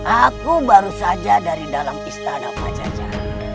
aku baru saja dari dalam istana pak jajan